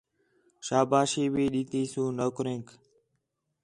شاباشی بھی ݙِتّی سو نوکریک